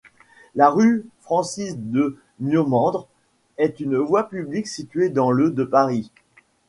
La rue Francis-de-Miomandre est une voie publique située dans le de Paris.